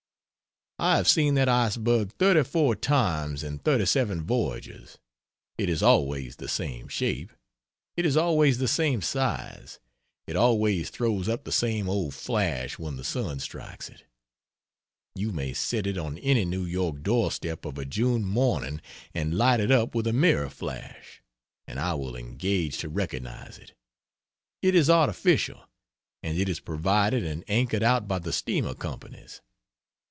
I have seen that iceberg thirty four times in thirty seven voyages; it is always the same shape, it is always the same size, it always throws up the same old flash when the sun strikes it; you may set it on any New York door step of a June morning and light it up with a mirror flash; and I will engage to recognize it. It is artificial, and it is provided and anchored out by the steamer companies.